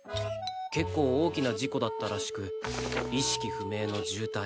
結構大きな事故だったらしく意識不明の重体